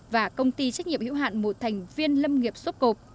và công ty trách nhiệm hữu hạn một thành viên lâm nghiệp xốp gộp